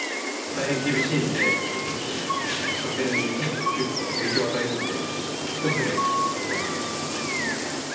大変厳しいんで、家庭に結構、影響与えるんで、少しでも安く買えたらなと。